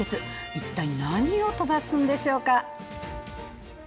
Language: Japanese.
一体、何を飛ばすんでしょうか。